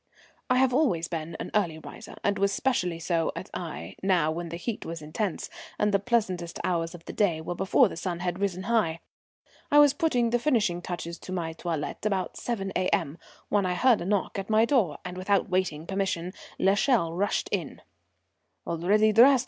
I have always been an early riser, and was specially so at Aix, now when the heat was intense, and the pleasantest hours of the day were before the sun had risen high. I was putting the finishing touches to my toilette about 7 A.M. when I heard a knock at my door, and without waiting permission l'Echelle rushed in. "Already dressed?